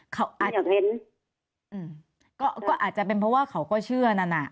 เขาอาจจะเห็นอืมก็ก็อาจจะเป็นเพราะว่าเขาก็เชื่อนั่นอ่ะ